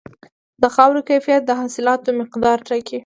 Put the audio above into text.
د خاورې کیفیت د حاصلاتو مقدار ټاکي.